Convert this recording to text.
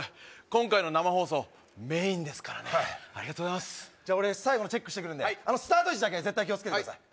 今回の生放送メインですからねありがとうございますじゃあ俺最後のチェックしてくるんでスタート位置だけ絶対気をつけてください